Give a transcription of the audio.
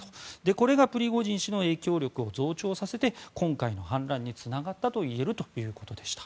これがプリゴジン氏の影響力を増長させて今回の反乱につながったといえるということでした。